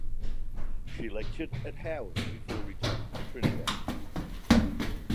She lectured at Howard before returning to Trinidad.